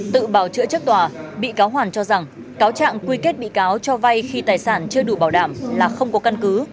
tự bào chữa trước tòa bị cáo hoàn cho rằng cáo trạng quy kết bị cáo cho vay khi tài sản chưa đủ bảo đảm là không có căn cứ